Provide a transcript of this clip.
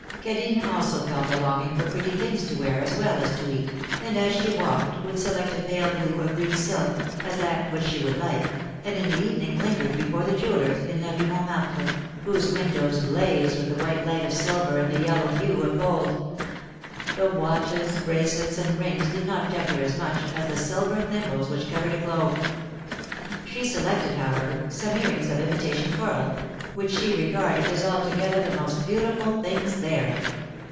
Cadine also felt a longing for pretty things to wear as well as to eat, and as she walked, would select a pale blue or green silk, as that which she would like, and in the evening lingered before the jewellers in la Rue Mont martre, whose windows blazed with the white light of sil ver and the yellow hue of gold. The watches, bracelets, and rings did not tempt her as much, as the silver thimbles which covered a globe. She selected, however, some ear rings of imitation coral, which she regarded as altogether the most beautiful things there.